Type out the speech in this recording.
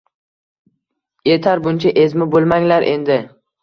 Yetar, buncha ezma bo’lmanglar endi.